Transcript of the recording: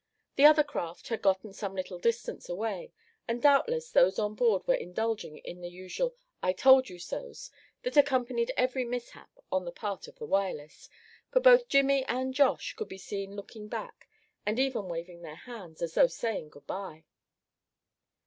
The other craft had gotten some little distance away, and doubtless those on board were indulging in the usual "I told you so's" that accompanied every mishap on the part of the Wireless, for both Jimmie and Josh could be seen looking back, and even waving their hands, as though saying good bye.